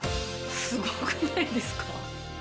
すごくないですか？